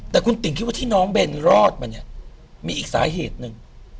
แต่คุณติ๋งคิดว่าที่น้องเบนรอดมาเนี่ยมีอีกสาเหตุหนึ่ง